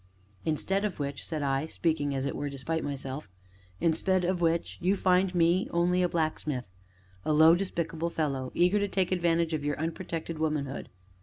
"Instead of which," said I, speaking (as it were), despite myself, "instead of which, you find me only a blacksmith a low, despicable fellow eager to take advantage of your unprotected womanhood."